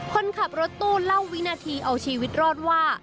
คนขับรถตู้เล่าวินาทีเอาชีวิตรอดว่า